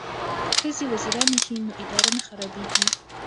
که ښځې وزیرانې شي نو اداره نه خرابیږي.